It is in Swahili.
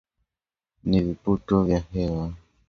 na viputo vya hewa